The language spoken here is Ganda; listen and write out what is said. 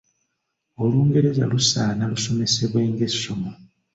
“Olungereza lusaana lusomesebwe ng’essomo